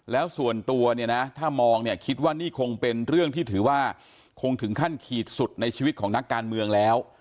แล้วส่วนตัวเนี่ยนะถ้ามองเนี่ยคิดว่านี่คงเป็นเรื่องที่ถือว่าคงถึงขั้นขีดสุดในชีวิตของนักการเมืองแล้ว